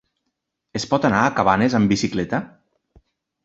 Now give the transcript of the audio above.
Es pot anar a Cabanes amb bicicleta?